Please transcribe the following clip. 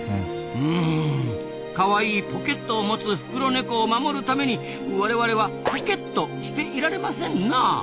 うんかわいいポケットを持つフクロネコを守るために我々はポケッとしていられませんなあ。